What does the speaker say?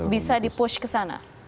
bisa dipush ke sana